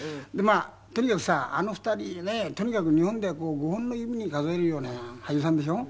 とにかくさあの２人ねえ日本で５本の指に数えるような俳優さんでしょ。